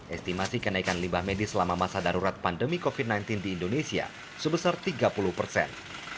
estimasi kenaikan limbah medis selama masa darurat pandemi covid sembilan belas di indonesia sebesar tiga puluh persen